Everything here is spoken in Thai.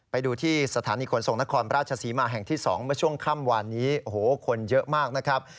ไปดูที่สถานีขนส่งนครราชศรีมาแห่งที่๒เมื่อช่วงค่ำวานนี้โอ้โหคนเยอะมากนะครับ